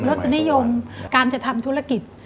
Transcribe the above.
รสนิยมการจะทำธุรกิจ